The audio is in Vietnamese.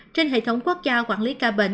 trên hệ thống quốc gia quản lý ca bệnh